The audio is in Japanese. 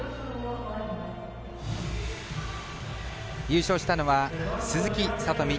優勝したのは鈴木聡美。